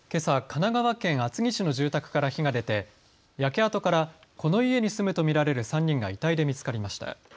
神奈川県厚木市の住宅から火が出て焼け跡からこの家に住むと見られる３人が遺体で見つかりました。